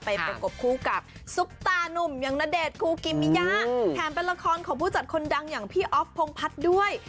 ประกบคู่กับซุปตานุ่มอย่างณเดชน์คูกิมิยะแถมเป็นละครของผู้จัดคนดังอย่างพี่อ๊อฟพงพัฒน์ด้วย